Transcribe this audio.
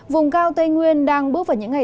vùng cao tây nguyên đang bước vào những ngày